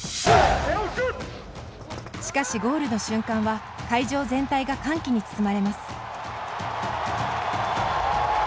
しかし、ゴールの瞬間は会場全体が歓喜に包まれます。